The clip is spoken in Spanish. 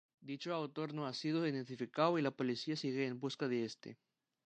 Dicho autor no ha sido identificado y la policía sigue en busca de este.